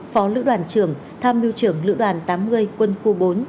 phó lữ đoàn trưởng tham mưu trưởng lữ đoàn tám mươi quân khu bốn